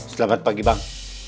selamat pagi bang